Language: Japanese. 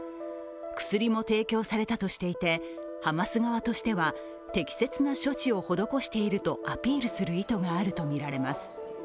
薬も提供されたとしていてハマス側としては適切な処置を施しているとアピールする意図があるとみられます。